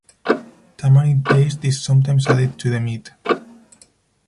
Tamarind paste is sometimes added to the meat.